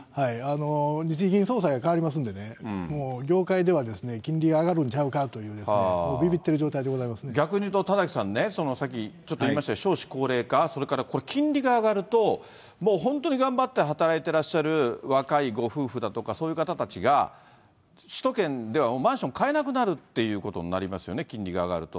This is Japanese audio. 日銀総裁が代わりますんでね、もう業界では金利が上がるんちゃうかという、逆に言うと、田崎さんね、さっきちょっと言いましたけど、少子高齢化、それから金利が上がると、もう本当に頑張って働いていらっしゃる若いご夫婦だとか、そういう方たちが、首都圏ではマンション買えなくなるっていうことになりますよね、